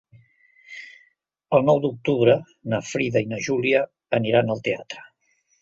El nou d'octubre na Frida i na Júlia aniran al teatre.